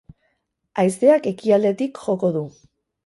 Haizeak ekialdetik joko du.